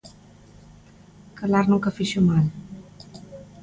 Calar nunca fixo mal